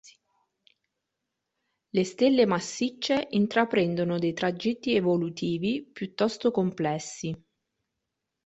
Le stelle massicce intraprendono dei tragitti evolutivi piuttosto complessi.